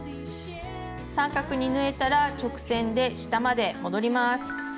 三角に縫えたら直線で下まで戻ります。